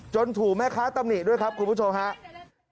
ถูกแม่ค้าตำหนิด้วยครับคุณผู้ชมครับ